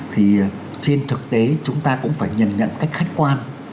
thì trên thực tế chúng ta cũng phải nhận nhận cách khách quan